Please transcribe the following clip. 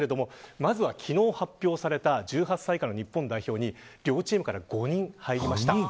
まずは昨日発表された１８歳以下の日本代表に両チームから５人入りました。